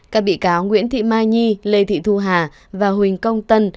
các bị cáo nguyễn thị mai nhi lê thị thu hà và huỳnh công tân